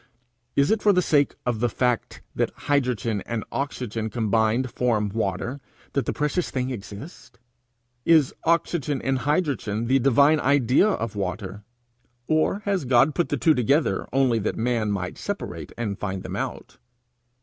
Is it for the sake of the fact that hydrogen and oxygen combined form water, that the precious thing exists? Is oxygen and hydrogen the divine idea of water? Or has God put the two together only that man might separate and find them out?